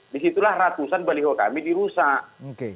disitulah ratusan baliho kami dirusak